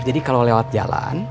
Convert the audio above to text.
jadi kalau lewat jalan